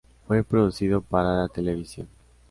Fue producido para la televisión.